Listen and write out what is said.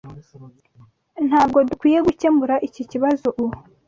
Ntabwo dukwiye gukemura iki kibazo ubu.